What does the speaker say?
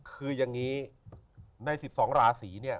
คือยังงี้ใน๑๒ราศี